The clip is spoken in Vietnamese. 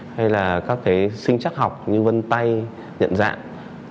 hay là các cái sinh chắc học như vân tay nhận dạng